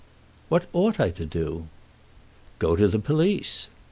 "What ought I to do?" "Go to the police."